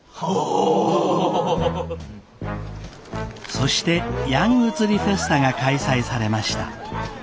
そしてヤング釣りフェスタが開催されました。